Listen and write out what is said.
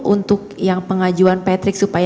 untuk yang pengajuan patrick supaya